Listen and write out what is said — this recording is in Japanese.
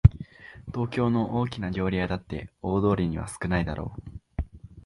東京の大きな料理屋だって大通りには少ないだろう